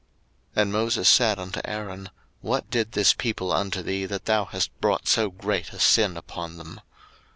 02:032:021 And Moses said unto Aaron, What did this people unto thee, that thou hast brought so great a sin upon them?